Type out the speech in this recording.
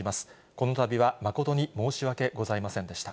このたびは、誠に申し訳ございませんでした。